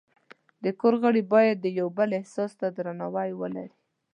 د کور غړي باید د یو بل احساس ته درناوی ولري.